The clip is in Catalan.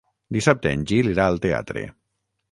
Dissabte en Gil irà al teatre.